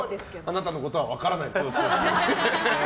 あなたのことは分からないです。